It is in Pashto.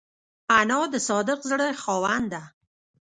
انا د صادق زړه خاوند ده